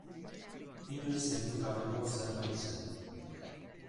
Inoiz egin gabeko zerbait zen.